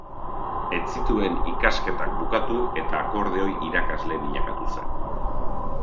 Ez zituen ikasketak bukatu eta akordeoi irakasle bilakatu zen.